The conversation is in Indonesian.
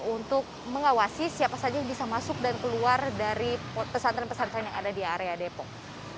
untuk mengawasi siapa saja yang bisa masuk dan keluar dari pesantren pesantren yang ada di area depok